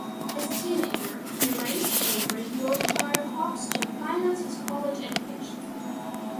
As a teenager, he raised purebred Yorkshire hogs to finance his college education.